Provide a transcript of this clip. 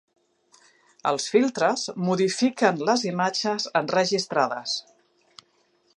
Els filtres modifiquen les imatges enregistrades.